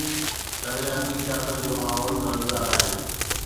نظرياتي سياست جو ماحول سازگار آهي.